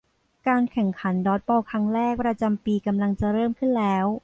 การแข่งขันดอดจ์บอลครั้งแรกประจำปีกำลังจะเริ่มขึ้นแล้ว